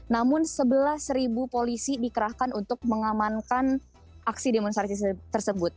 namun sebelas polisi dikerahkan untuk mengamankan aksi demonstrasi tersebut